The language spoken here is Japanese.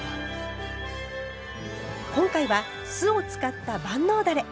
今回は酢を使った万能だれ。